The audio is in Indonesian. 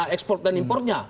ekspor dan impornya